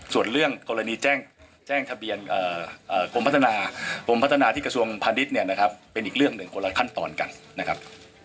ส่วนเรื่องกรณีแจ้งทะเบียนกรมพัฒนากรมพัฒนาที่กระทรวงพาณิชย์เนี่ยนะครับเป็นอีกเรื่องหนึ่งคนละขั้นตอนกันนะครับ